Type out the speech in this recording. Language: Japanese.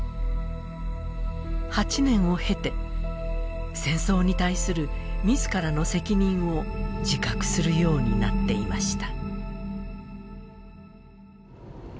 ８年を経て、戦争に対するみずからの責任を自覚するようになっていました。